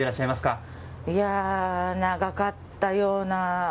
長かったような。